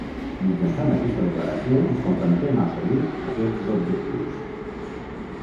Mitjançant aquesta declaració ens comprometem a assolir aquests objectius